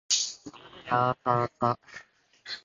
いーやーさーさ